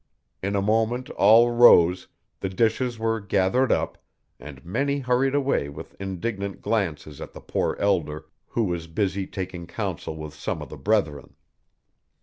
In a moment all rose, the dishes were gathered up, and many hurried away with indignant glances at the poor elder, who was busy taking counsel with some of the brethren.